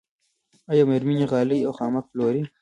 آیا میرمنې غالۍ او خامک پلوري؟